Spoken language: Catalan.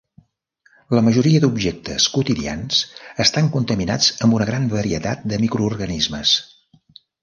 La majoria d'objectes quotidians estan contaminats amb una gran varietat de microorganismes.